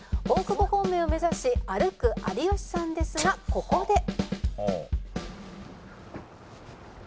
「大久保方面を目指し歩く有吉さんですがここで」